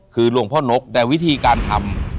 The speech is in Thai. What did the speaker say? คือหลวงพ่อนกแต่วิธีการทำ